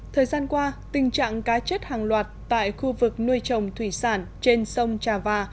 thời gian qua tình trạng cá chết hàng loạt tại khu vực nuôi trồng thủy sản trên sông trà và